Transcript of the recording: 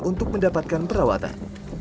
untuk mendapatkan perawatan